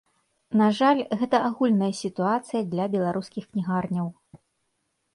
На жаль, гэта агульная сітуацыя для беларускіх кнігарняў.